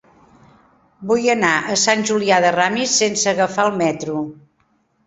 Vull anar a Sant Julià de Ramis sense agafar el metro.